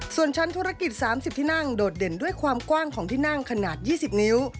ส่วนชั้นธุรกิจ๓๐ที่นั่งโดดเด่นด้วยความกว้างของที่นั่งขนาด๒๐นิ้ว